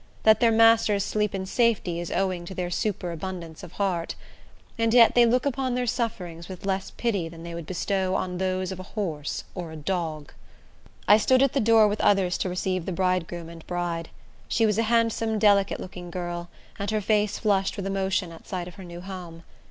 That their masters sleep in safety is owing to their superabundance of heart; and yet they look upon their sufferings with less pity than they would bestow on those of a horse or a dog. I stood at the door with others to receive the bridegroom and bride. She was a handsome, delicate looking girl, and her face flushed with emotion at sight of her new home.